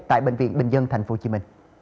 tại bệnh viện bình dân tp hcm